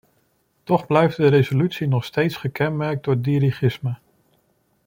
Toch blijft de resolutie nog steeds gekenmerkt door dirigisme.